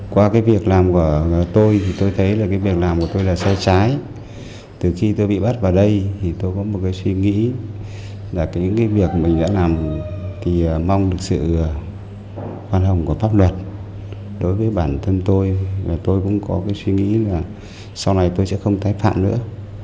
qua cái việc làm của tôi thì tôi thấy là cái việc làm của tôi là sai trái từ khi tôi bị bắt vào đây thì tôi có một cái suy nghĩ là những cái việc mình đã làm thì mong được sự khoan hồng của pháp luật đối với bản thân tôi và tôi cũng có cái suy nghĩ là sau này tôi sẽ không tái phạm nữa